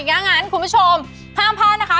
อย่างนั้นคุณผู้ชมห้ามพลาดนะคะ